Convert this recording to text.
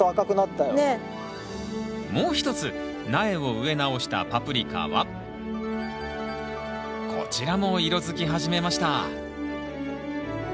もう一つ苗を植え直したパプリカはこちらも色づき始めました。